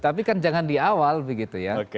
tapi kan jangan di awal begitu ya